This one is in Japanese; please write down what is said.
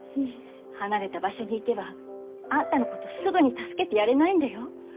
離れた場所に行けばあんたのことすぐに助けてやれないんだよ。